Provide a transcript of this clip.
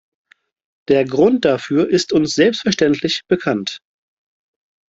Der Grund dafür ist uns selbstverständlich bekannt.